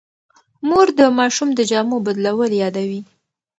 مور د ماشوم د جامو بدلول یادوي.